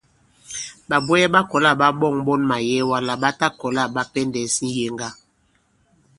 Ɓàbwɛɛ ɓa kɔ̀la ɓa ɓɔ̂ŋ ɓɔn màyɛwa lā ɓa ta kɔ̀la ɓa pɛndɛ̄s ŋ̀yeŋga.